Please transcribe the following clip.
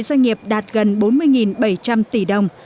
tổng giá trị doanh nghiệp đạt gần bốn mươi bảy trăm linh tỷ đồng